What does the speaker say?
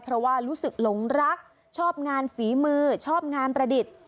เพราะว่ารู้สึกหลงรักชอบงานฝีมือชอบงานประดิษฐ์